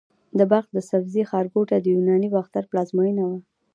د بلخ د سبزې ښارګوټي د یوناني باختر پلازمېنه وه